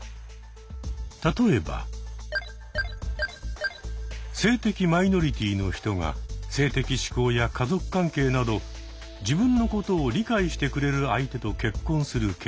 例えば性的マイノリティーの人が性的指向や家族関係など自分のことを理解してくれる相手と結婚するケース。